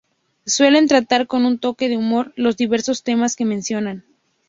Suelen tratar con un toque de humor los diversos temas que mencionan.